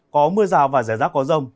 có mưa rào và rải rác có rông